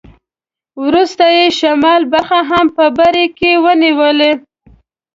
وروسته یې شمال برخه هم په برکې ونیوه.